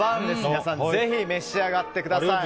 皆さんぜひ召し上がってください。